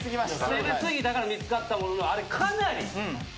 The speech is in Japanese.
攻め過ぎたから見つかったもののあれかなり優秀でした。